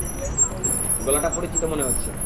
গলাটা পরিচিত মনে হচ্ছে।